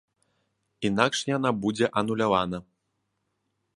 Інакш яна будзе анулявана.